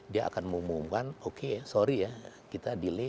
dia akan mengumumkan oke sorry ya kita delay